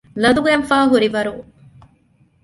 ލަދުގަތްފައި ހުރިވަރުން